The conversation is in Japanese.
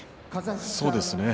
そうですね。